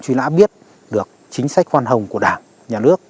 các đối tượng truy nã biết được chính sách khoan hồng của đảng nhà nước